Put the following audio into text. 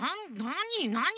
なに？